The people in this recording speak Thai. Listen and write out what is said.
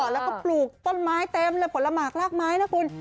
แล้วก็ปลูกต้นไม้เต็มเลยผลหมากลากไม้นะคุณ